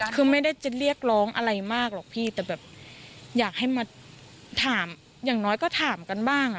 คือไม่ได้จะเรียกร้องอะไรมากหรอกพี่แต่แบบอยากให้มาถามอย่างน้อยก็ถามกันบ้าง